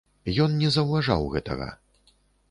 Ён не заўважаў гэтага.